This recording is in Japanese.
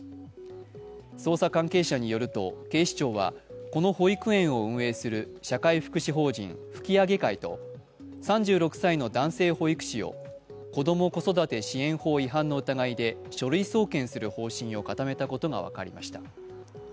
捜査関係者によると警視庁はこの保育園を運営する社会福祉法人・吹上会と３６歳の男性保育士を子ども・子育て支援法違反の疑いで書類送検する方針を固めたことが分かりました。